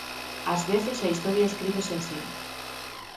Ás veces a Historia escríbese así.